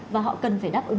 và họ cần phải đáp ứng